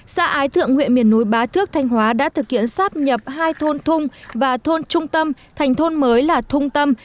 xã ái thượng huyện miền núi bá thước thanh hóa đã thực hiện sắp nhập hai thôn thung và thôn trung tâm thành thôn mới là thung tâm